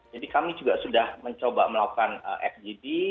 jadi kami juga sudah mencoba melakukan fgd